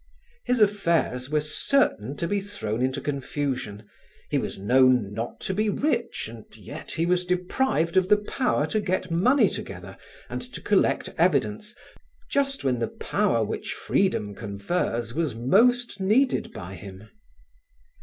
His affairs were certain to be thrown into confusion; he was known not to be rich and yet he was deprived of the power to get money together and to collect evidence just when the power which freedom confers was most needed by him.